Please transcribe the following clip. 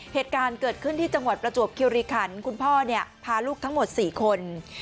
เหตุการณ์เกิดขึ้นที่จังหวัดประจวบคิวริขันคุณพ่อเนี่ยพาลูกทั้งหมด๔คน